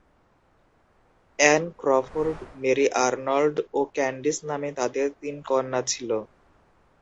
An Crawford, Mary Arnold ও Candice নামে তাদের তিন কন্যা ছিল।